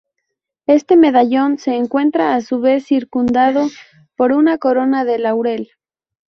Este medallón se encuentra a su vez circundado por una corona de laurel.